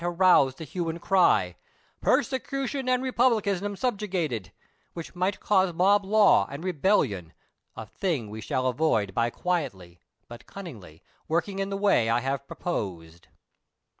115 arouse the hue and cry :' Persecution and Kepublicanism subjugated,' which might cause mob law and rebellion, a thing we shall avoid by quietly, but cunningly, working in the way I have proposed.